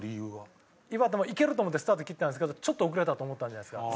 井端はいけると思ってスタート切ったんですけどちょっと遅れたと思ったんじゃないですか？